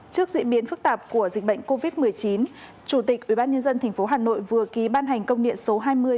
trước diễn biến phức tạp của dịch bệnh covid một mươi chín chủ tịch ubnd tp hà nội vừa ký ban hành công điện số hai mươi